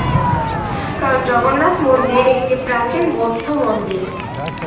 কারণ জগন্নাথ-মন্দির একটি প্রাচীন বৌদ্ধ মন্দির।